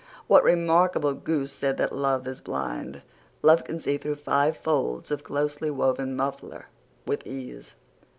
What remarkable goose said that love is blind? Love can see through five folds of closely woven muffler with ease!